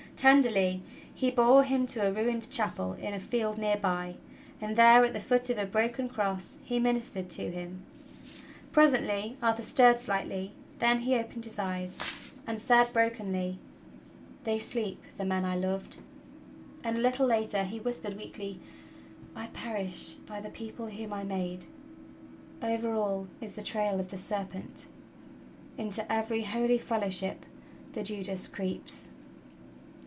Tenderly he bore him to a ruined chapel in a field near by, and there, at the foot of a broken cross, he ministered to him. Presenth'^ Arthur stirred slightly, then he opened his eyes and said brokenly: THE PASSING OF ARTHUR 151 'They sleep — the men I loved." And a little later he whispered weakly, 'T perish by the people whom I made! Over all is the trail of the serpent! Into every holy fellowship the Judas creeps!"